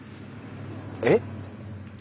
えっ？